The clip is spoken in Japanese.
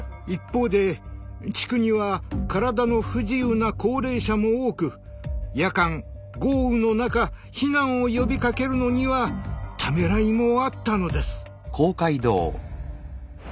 一方で地区には体の不自由な高齢者も多く夜間豪雨の中避難を呼びかけるのにはためらいもあったのです。